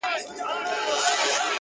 اوس ژاړي” اوس کتاب ژاړي” غزل ژاړي”